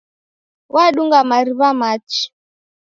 Wadunga mariw'a machi.